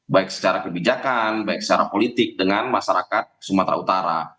baik secara kebijakan baik secara politik dengan masyarakat sumatera utara